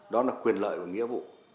đó là quyền lợi và nghĩa vụ